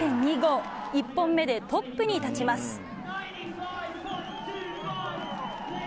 １本目でトップに立ちます。